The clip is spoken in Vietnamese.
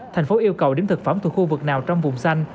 thành phố yêu cầu điểm thực phẩm thuộc khu vực nào trong vùng xanh